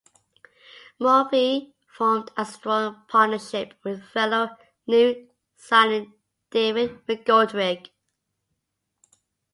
Murphy formed a strong partnership with fellow new signing David McGoldrick.